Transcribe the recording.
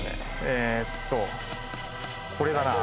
えーっとこれだな。